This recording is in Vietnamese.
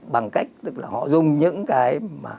bằng cách tức là họ dùng những cái